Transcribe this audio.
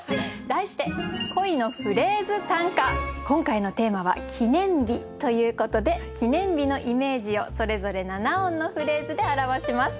題して今回のテーマは「記念日」ということで記念日のイメージをそれぞれ七音のフレーズで表します。